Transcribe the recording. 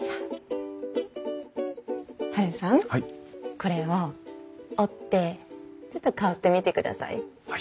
これを折ってちょっと香ってみてください。